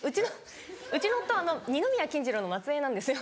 うちの夫二宮金次郎の末裔なんですよ。